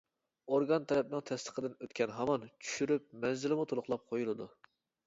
ئورگان تەرەپنىڭ تەستىقىدىن ئۆتكەن ھامان چۈشۈرۈش مەنزىلىمۇ تولۇقلاپ قويۇلىدۇ.